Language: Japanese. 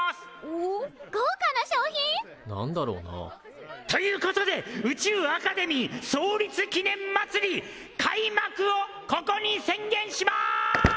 何だろうな？ということで宇宙アカデミー創立記念まつり開幕をここに宣言します！